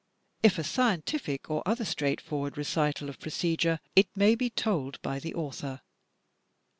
If a scientific or other straightforward recital of procedure, it may be told by the author.